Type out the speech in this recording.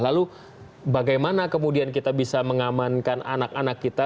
lalu bagaimana kemudian kita bisa mengamankan anak anak kita